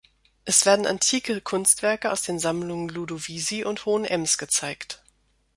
Es werden antike Kunstwerke aus den Sammlungen Ludovisi und Hohenems gezeigt.